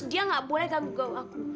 dia gak boleh ganggu ganggu aku